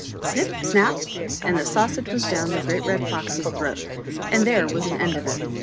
Snip! snap! and the Sausage was down the Great Red Fox's throat, and there was an end of it.